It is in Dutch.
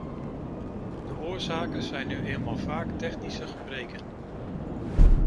De oorzaken zijn nu eenmaal vaak technische gebreken.